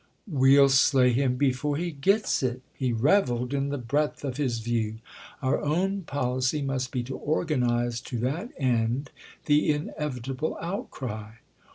"We'll slay him before he gets it!" He revelled in the breadth of his view. "Our own policy must be to organise to that end the inevitable outcry.